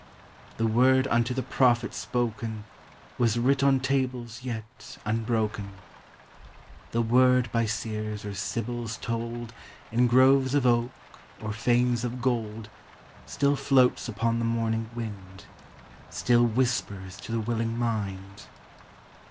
The word unto tin 1 prophet spoken Was writ on tables yet unbroken; The word by seers or sibyls told, In groves of oak, or fanes of gold, Still tloats upon the morning wind, Still whispers to the willing mind.